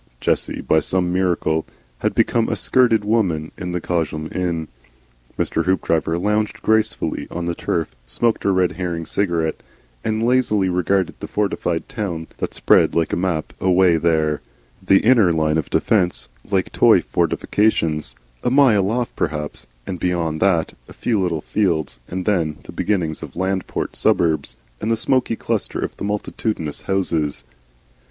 Jessie by some miracle had become a skirted woman in the Cosham inn. Mr. Hoopdriver lounged gracefully on the turf, smoked a Red Herring cigarette, and lazily regarded the fortified towns that spread like a map away there, the inner line of defence like toy fortifications, a mile off perhaps; and beyond that a few little fields and then the beginnings of Landport suburb and the smoky cluster of the multitudinous houses.